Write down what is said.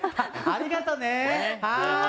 ありがとう。